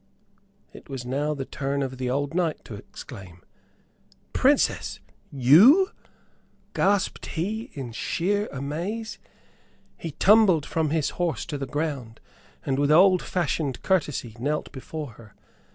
It was now the turn of the old knight to exclaim. "Princess, you?" gasped he, in sheer amaze. He tumbled from his horse to the ground, and with old fashioned courtesy knelt before her.